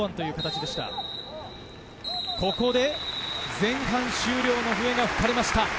前半終了の笛が吹かれました。